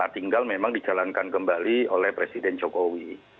tinggal memang dicalonkan kembali oleh presiden jokowi